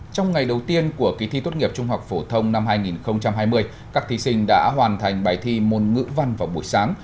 trong ngày đầu tiên của kỳ thi tốt nghiệp trung học phổ thông năm hai nghìn hai mươi các thí sinh đã hoàn thành bài thi môn ngữ văn vào buổi sáng